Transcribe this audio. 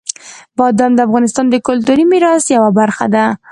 بادام د افغانستان د کلتوري میراث یوه برخه ده.